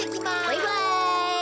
バイバイ。